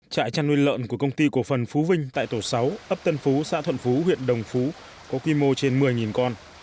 trại chăn nuôi lợn của công ty cổ phần phú vinh tại tổ sáu ấp tân phú xã thuận phú huyện đồng phú có quy mô trên một mươi con